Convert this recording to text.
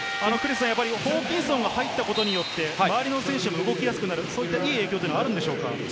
ホーキンソンが入ったことによって、周りの選手も動きやすくなる、いい影響はあるんでしょうか？